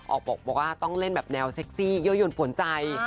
บอกว่าต้องเล่นแบบแนวเซ็กซี่เยอะยนปวนใจ